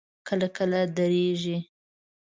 کله کله درېږي.